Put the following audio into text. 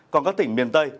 còn các tỉnh miền tây